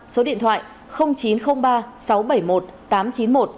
số điện thoại chín trăm linh ba sáu trăm bảy mươi một tám trăm chín mươi một